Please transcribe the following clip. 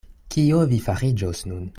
Kio vi fariĝos nun?